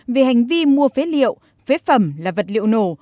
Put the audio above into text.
vì hành vi mua phế liệu phế phẩm là vật liệu nổ